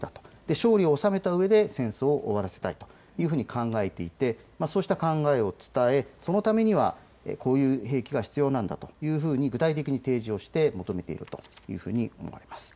勝利を収めたうえで戦争を終わらせたいと考えていてそうした考えを伝えそのためにはこういう兵器が必要なんだというふうに具体的に提示をして求めていると思われます。